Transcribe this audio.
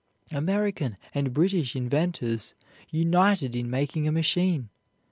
American and British inventors united in making a machine.